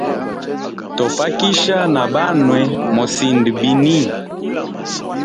Tofakisha na banwe mosind bini?